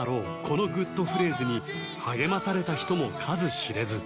このグッとフレーズに励まされた人も数知れず